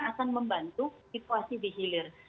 akan membantu situasi di hilir